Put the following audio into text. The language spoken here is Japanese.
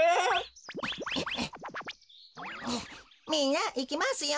みんないきますよ。